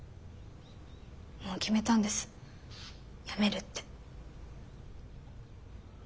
もう決めたんですやめるって。